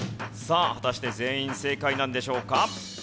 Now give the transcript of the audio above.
果たして全員正解なんでしょうか？